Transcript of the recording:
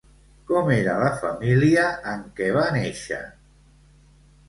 Com era la família en què va néixer?